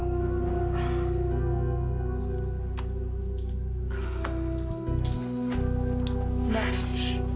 nggak harus sih